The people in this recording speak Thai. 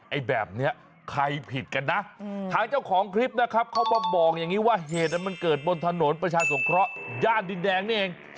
ไอ้แบบนี้ใครผิดกันนะทางเจ้าของคลิปนะครับเขามาบอกอย่างนี้ว่าเหตุมันเกิดบนถนนประชาสงเคราะห์ย่านดินแดงนี่เอง